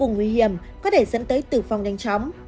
vô cùng nguy hiểm có thể dẫn tới tử vong nhanh chóng